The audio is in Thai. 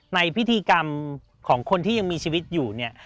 ในพิธีกรรมของคนที่ยังมีชีวิตอยู่เนี่ย